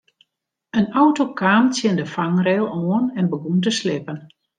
In auto kaam tsjin de fangrail oan en begûn te slippen.